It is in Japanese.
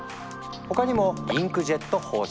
他にも「インクジェット方式」。